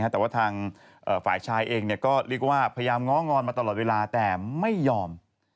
แต่ว่าทางฝ่ายชายเองก็เรียกว่าพยายามง้องอนมาตลอดเวลาแต่ไม่ยอม